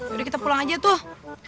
udah kita pulang aja tuh